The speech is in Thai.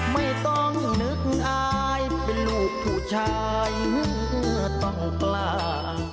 ไม่ต้องนึกอายเป็นลูกผู้ชายเมื่อต้องกล้า